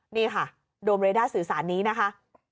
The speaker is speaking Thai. นี่ค่ะโดมเรด้าสื่อสารนี้นะคะ